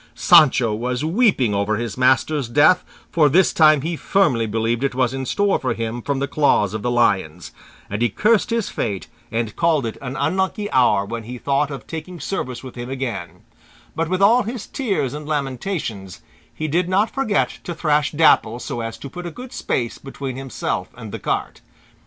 Sancho was weeping over his master's death, for this time he firmly believed it was in store for him from the claws of the lions; and he cursed his fate and called it an unlucky hour when he thought of taking service with him again; but with all his tears and lamentations he did not forget to thrash Dapple so as to put a good space between himself and the cart.